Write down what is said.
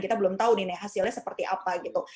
kita belum tahu nih hasilnya seperti apa gitu